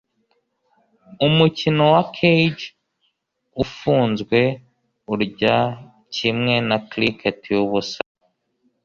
Umukino wa cage ufunzwe urya kimwe na cricket yubusa.